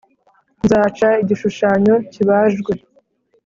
nzaca igishushanyo kibajwe